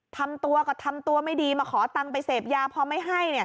ทำตัวก็ทำตัวไม่ดีมาขอตังค์ไปเสพยาพอไม่ให้